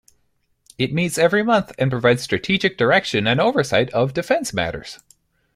It meets every month and provides strategic direction and oversight of Defence matters.